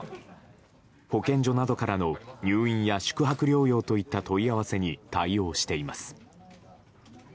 保健所などからの入院や宿泊療養といった問い合わせに対応しています。